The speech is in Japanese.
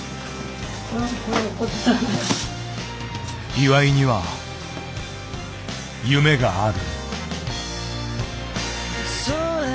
岩井には夢がある。